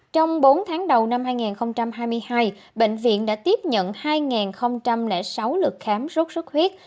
trong bốn tháng đầu năm hai nghìn hai mươi hai bệnh viện đã tiếp nhận hai sáu lượt khám sốt huyết